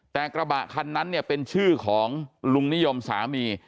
แต่กระบะคันนั้นเนี่ยเป็นชื่อของลุงนิยมสามี